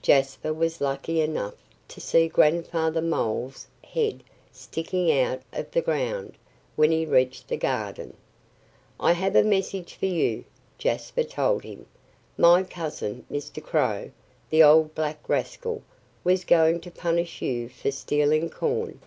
Jasper was lucky enough to see Grandfather Mole's head sticking out of the ground, when he reached the garden. "I have a message for you!" Jasper told him. "My cousin Mr. Crow the old black rascal! was going to punish you for stealing corn.